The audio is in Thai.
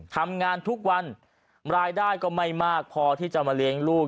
ทำงานทุกวันรายได้ก็ไม่มากพอที่จะมาเลี้ยงลูก